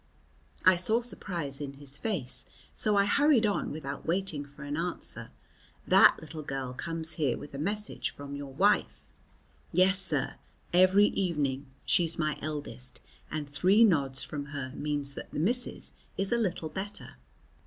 I saw surprise in his face, so I hurried on without waiting for an answer. "That little girl comes here with a message from your wife?" "Yes, sir, every evening; she's my eldest, and three nods from her means that the missus is a little better."